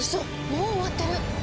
もう終わってる！